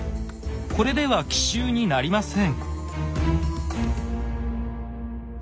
これでは奇襲になりません。